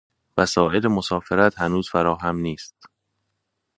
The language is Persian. وسائل مسافرت هنوز فراهم نیست